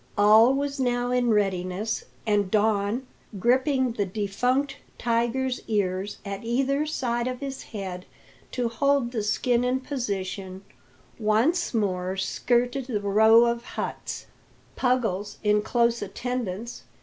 All was now in readiness, and Don, gripping the defunct tiger's ears at either side of his head to hold the skin in position, once more skirted the row of huts, Puggles in close attendance.